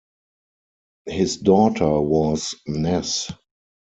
His daughter was Ness.